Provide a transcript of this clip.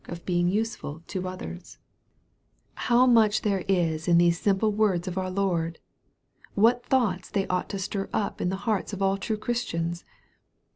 24.) MARK, CHAP. V. 97 How much there is in these simple words of our Lord ! What thoughts they ought to stir up in the hearts of all true Christians